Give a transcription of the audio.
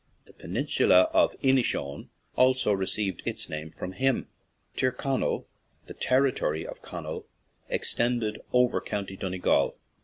The peninsula of Ini showen also received its name from him. Tyrconnell, the territory of Conall, ex tended over County Donegal.